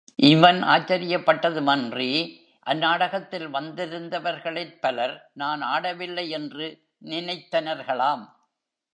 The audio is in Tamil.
இவன் ஆச்சரியப்பட்டதுமன்றி, அந்நாடகத்தில் வந்திருந்தவர்களிற் பலர், நான் ஆடவில்லை யென்று நினைத்தனர்களாம்.